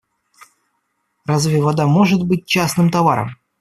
Разве вода может быть частным товаром?